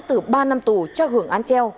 từ ba năm tù cho hưởng án treo